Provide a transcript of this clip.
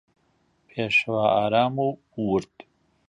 پێشەوای ئارام و ورد